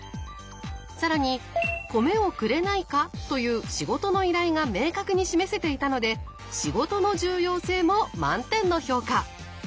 更に「米をくれないか？」という仕事の依頼が明確に示せていたので「仕事の重要性」も満点の評価。